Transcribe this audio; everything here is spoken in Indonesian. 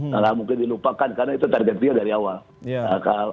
salah mungkin dilupakan karena itu target dia dari awal